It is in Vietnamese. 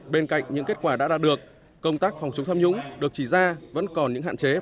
bên cạnh những kết quả đã đạt được công tác phòng chống tham nhũng được chỉ ra vẫn còn những hạn chế